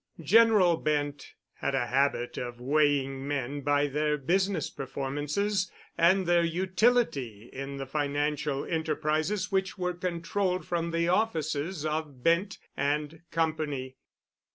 General Bent had a habit of weighing men by their business performances and their utility in the financial enterprises which were controlled from the offices of Bent & Company.